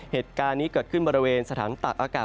เหตุการณ์นี้เกิดขึ้นบริเวณสถานตักอากาศ